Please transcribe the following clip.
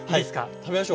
食べましょう。